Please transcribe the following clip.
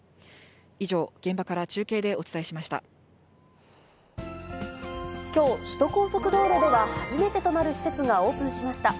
以上、現場から中継でお伝えしまきょう、首都高速道路では、初めてとなる施設がオープンしました。